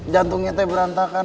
jantungnya tuh berantakan